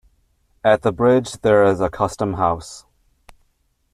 At the bridge there is a Custom House.